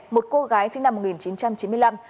một cô gái sinh năm một nghìn chín trăm chín mươi năm